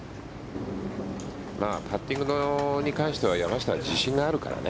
パッティングに関しては山下は自信があるからね。